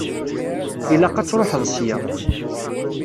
Ilaq ad truḥeḍ ssya.